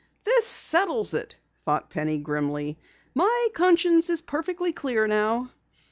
"This settles it," thought Penny grimly. "My conscience is perfectly clear now."